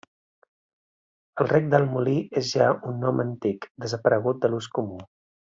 El Rec del Molí és ja un nom antic, desaparegut de l'ús comú.